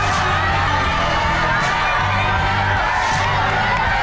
กี่ลูกแล้วพี่